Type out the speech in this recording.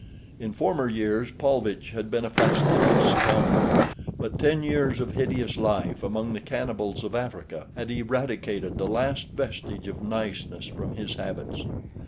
In former years Paulvitch had been a fastidious scoundrel; but ten years of hideous life among the cannibals of Africa had eradicated the last vestige of niceness from his habits.